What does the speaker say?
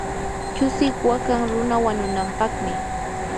chusiq waqan runa wanunampaqmi.